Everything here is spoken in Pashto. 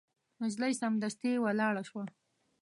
نجلۍ سمدستي ولاړه شوه.